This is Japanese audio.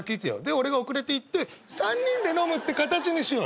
俺が遅れて行って３人で飲むって形にしよう。